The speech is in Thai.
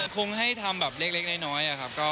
คงให้ทำแบบเล็กน้อยครับ